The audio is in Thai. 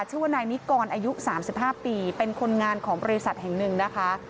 ชื่อว่านายนิกรอายุ๓๕ปีเป็นคนงานของบริษัทแห่งหนึ่งนะคะ